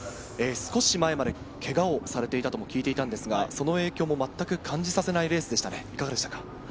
少し前までけがをしていたと聞いていたんですが、その影響も全く感じさせないレースでしたね。